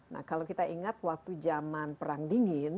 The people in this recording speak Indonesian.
nah kalau kita ingat waktu zaman perang dingin